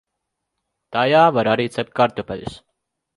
Tajā var arī cept kartupeļus.